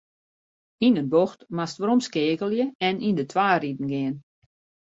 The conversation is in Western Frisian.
Yn in bocht moatst weromskeakelje en yn de twa riden gean.